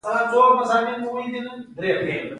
آیا په دولتي ادارو کې کار کیږي؟